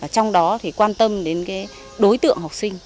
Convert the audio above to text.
trong đó thì quan tâm đến đối tượng học sinh